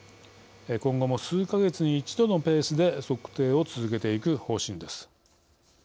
今後も数か月に一度のペースで測定を続けていく方針です。